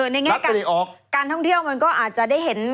ในแง่การท่องเที่ยวมันก็อาจจะได้เห็น